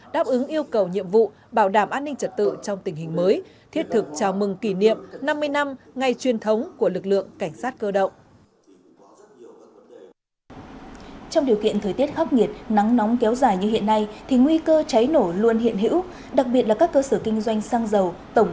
đáp ứng yêu cầu nhiệm vụ bảo đảm an ninh trật tự trong tình hình mới thiết thực chào mừng kỷ niệm năm mươi năm ngày truyền thống của lực lượng cảnh sát cơ động